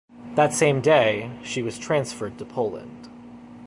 That same day, she was transferred to Poland.